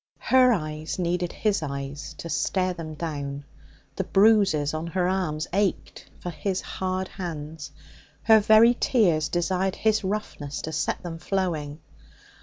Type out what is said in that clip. Her eyes needed his eyes to stare them down. The bruises on her arms ached for his hard hands. Her very tears desired his roughness to set them flowing.